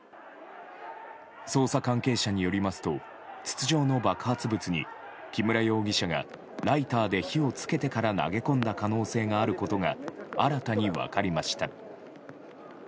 捜査関係者によりますと筒状の爆発物に木村容疑者がライターで火をつけてから投げ込んだ可能性があることが新たに分かりました。